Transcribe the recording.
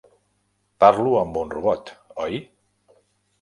Parlo amb un robot, oi?